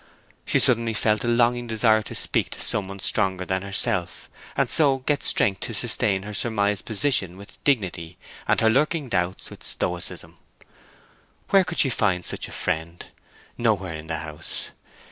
She suddenly felt a longing desire to speak to some one stronger than herself, and so get strength to sustain her surmised position with dignity and her lurking doubts with stoicism. Where could she find such a friend? nowhere in the house.